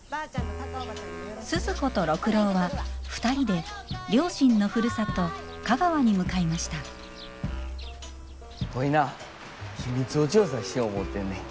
スズ子と六郎は２人で両親のふるさと香川に向かいましたワイな秘密を調査しよ思うてんねん。